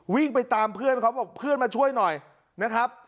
วิ่งไปตามเพื่อนเขาบอกเพื่อนมาช่วยหน่อยนะครับ